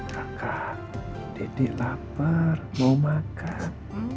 kakak didik lapar mau makan